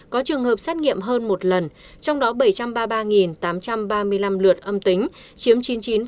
có trường hợp xét nghiệm hơn một lần trong đó bảy trăm ba mươi ba tám trăm ba mươi năm lượt âm tính chiếm chín mươi chín